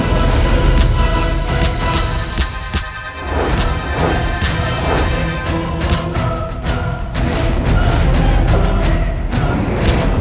ini kesempatanku untuk menghabisi siliwangi